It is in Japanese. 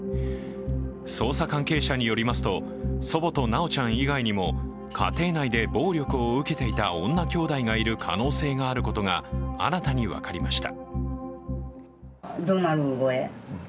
捜査関係者によりますと、祖母と修ちゃん以外にも家庭内で暴力を受けていた女きょうだいがいる可能性があることが新たに分かりました。